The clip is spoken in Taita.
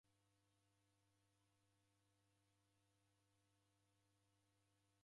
Shekeria yelwa ni iyao?